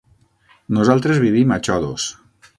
Nosaltres vivim a Xodos.